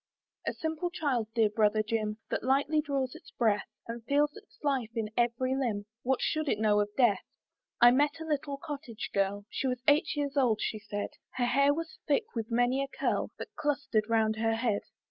A simple child, dear brother Jim, That lightly draws its breath, And feels its life in every limb, What should it know of death? I met a little cottage girl, She was eight years old, she said; Her hair was thick with many a curl That cluster'd round her head.